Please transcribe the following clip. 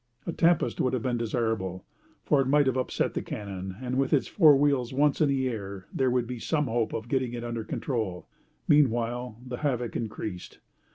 A tempest would have been desirable, for it might have upset the cannon, and with its four wheels once in the air there would be some hope of getting it under control. Meanwhile, the havoc increased.